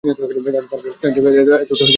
তারপরও স্ট্রেঞ্জ, এতটা নিষ্ঠুর হয়েন না।